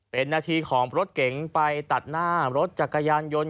เป็นนาทีของรถเก๋งไปตัดหน้ารถจักรยานยนต์